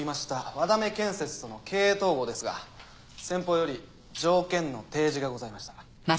和田目建設との経営統合ですが先方より条件の提示がございました。